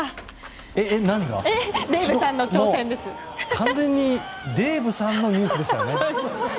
完全にデイブさんのニュースでしたよね？